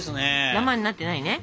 ダマになってないね？